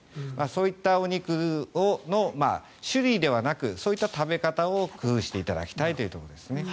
そういったお肉の種類ではなくそういった食べ方を工夫していただきたいというところです。